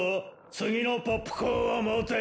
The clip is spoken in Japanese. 次のポップコーンを持てッ！